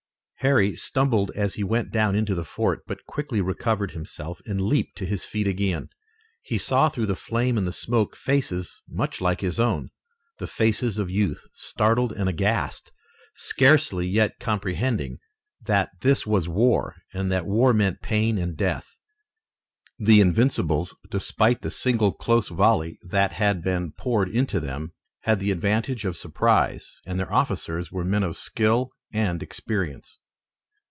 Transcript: Harry stumbled as he went down into the fort, but quickly recovered himself and leaped to his feet again. He saw through the flame and smoke faces much like his own, the faces of youth, startled and aghast, scarcely yet comprehending that this was war and that war meant pain and death. The Invincibles, despite the single close volley that had been poured into them, had the advantage of surprise and their officers were men of skill and experience.